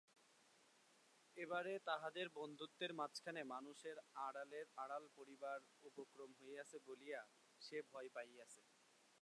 এবারে তাহাদের বন্ধুত্বের মাঝখানে মানুষের আড়াল পড়িবার উপক্রম হইয়াছে বলিয়া সে ভয় পাইয়াছে।